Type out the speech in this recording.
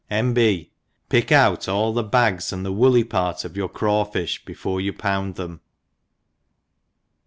—— iV. B. Pick out all the bags and tnc woolly part of yotir craw fifli before you pound them.